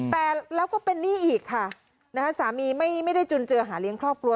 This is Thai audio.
แต่แล้วก็เป็นหนี้อีกค่ะนะฮะสามีไม่ได้จุนเจอหาเลี้ยงครอบครัว